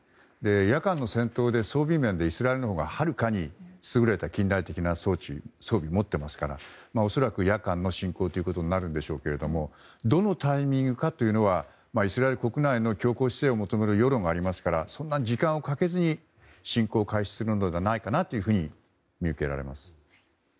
夜間の攻撃で装備面でイスラエルのほうがはるかに優れた近代的な装置や装備を持っていますから恐らく夜間の侵攻となるんでしょうけれどもどのタイミングかというのはイスラエル国内の強硬姿勢を求める世論がありますからそんなに時間をかけずに侵攻を開始するのではないかと見受けられます。